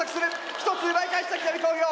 １つ奪い返した北見工業！